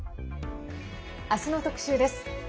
あすの特集です。